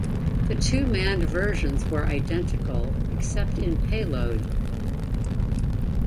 The two manned versions were identical except in payload.